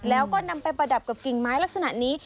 แล้วก็นำไปประดับกับกิ่งไม้ลักษณะนี้